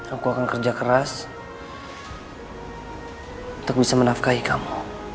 aku akan kerja keras untuk bisa menafkahi kamu